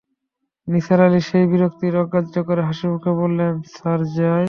নিসার আলি সেই বিরক্তি অগ্রাহ্য করে হাসিমুখে বললেন, স্যার, যাই।